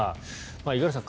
五十嵐さん